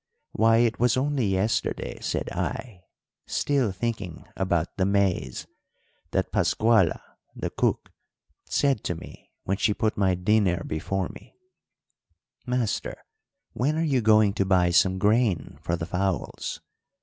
Why, it was only yesterday, said I, still thinking about the maize, that Pascuala, the cook, said to me when she put my dinner before me, 'Master, when are you going to buy some grain for the fowls?